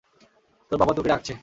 তোর বাবা তোকে ডাকছে!